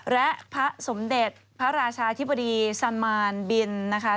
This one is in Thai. และพระสมเด็จพระราชาธิบดีซามานบินนะคะ